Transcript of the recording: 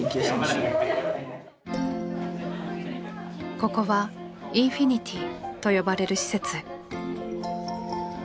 ここは「インフィニティ」と呼ばれる施設。